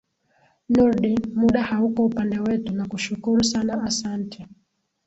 nurdin muda hauko upande wetu nakushukuru sana asante